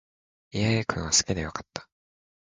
イェーイ君を好きで良かった